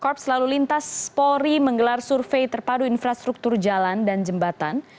korps lalu lintas polri menggelar survei terpadu infrastruktur jalan dan jembatan